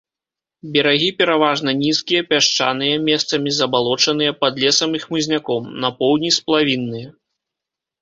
Берагі пераважна нізкія, пясчаныя, месцамі забалочаныя, пад лесам і хмызняком, на поўдні сплавінныя.